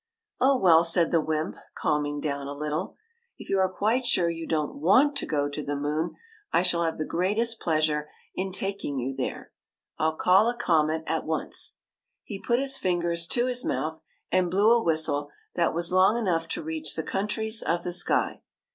'' Oh, well," said the wymp, calming down a little, "• if you are quite sure you don't want to go to the moon, I shall have the greatest pleas ure in taking you there. I '11 call a comet at once." He put his fingers to his mouth and blew a whistle that was long enough to reach the countries of the sky.